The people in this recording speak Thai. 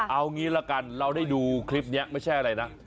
เอางี้ละกันเราได้ดูคลิปนี้ไม่ใช่อะไรนะ